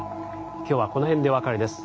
今日はこの辺でお別れです。